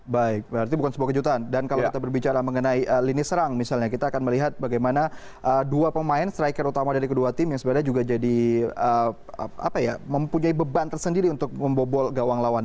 baik berarti bukan sebuah kejutan dan kalau kita berbicara mengenai lini serang misalnya kita akan melihat bagaimana dua pemain striker utama dari kedua tim yang sebenarnya juga jadi mempunyai beban tersendiri untuk membobol gawang lawan